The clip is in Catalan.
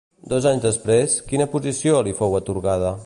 Dos anys després, quina posició li fou atorgada?